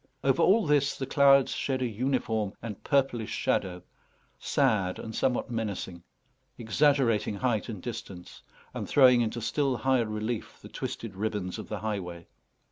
Over all this the clouds shed a uniform and purplish shadow, sad and somewhat menacing, exaggerating height and distance, and throwing into still higher relief the twisted ribbons of the highway.